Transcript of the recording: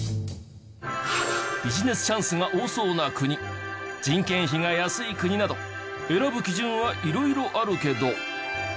ビジネスチャンスが多そうな国人件費が安い国など選ぶ基準はいろいろあるけど。